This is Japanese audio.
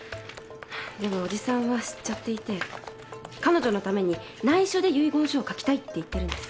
でもおじさんは知っちゃっていて彼女のためにないしょで遺言書を書きたいって言ってるんです。